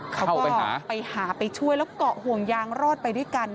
เขาก็ไปหาไปช่วยแล้วเกาะห่วงยางรอดไปด้วยกัน